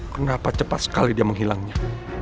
kenapa cepat sekali dia menghilangnya